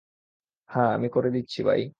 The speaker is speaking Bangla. হ্যাঁঁ আমি করে দিচ্ছি, বাই।